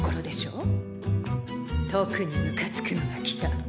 特にムカつくのが来た。